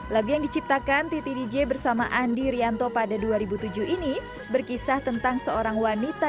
lagu yang diciptakan titi dj bersama andi rianto pada dua ribu tujuh ini berkisah tentang seorang wanita